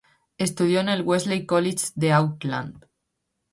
Estudió en el Wesley College de Auckland.